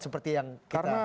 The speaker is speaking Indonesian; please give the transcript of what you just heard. seperti yang kita bayangkan